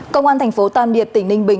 công an thành phố tam điệt tỉnh ninh bình